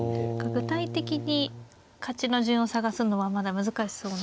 具体的に勝ちの順を探すのはまだ難しそうな。